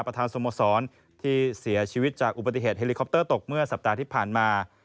สโมสรที่เสียชีวิตจากอุบัติเหตุเฮลิคอปเตอร์ตกเมื่อสัปดาห์ที่ผ่านมา